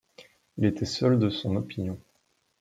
Il était seul de son opinion.